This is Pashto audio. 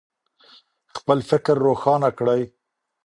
خپل فکر روښانه کړئ.